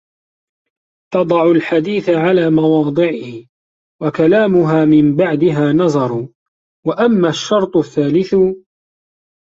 تَضَعُ الْحَدِيثَ عَلَى مَوَاضِعِهِ وَكَلَامُهَا مِنْ بَعْدِهَا نَزْرُ وَأَمَّا الشَّرْطُ الثَّالِثُ